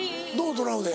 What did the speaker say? トラウデン。